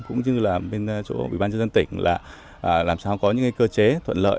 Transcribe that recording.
cũng như là bên chỗ ủy ban dân tỉnh là làm sao có những cơ chế thuận lợi